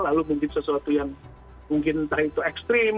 lalu mungkin sesuatu yang mungkin entah itu ekstrim